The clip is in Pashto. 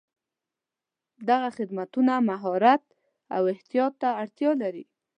دغه خدمتونه مهارت او احتیاط ته اړتیا لري.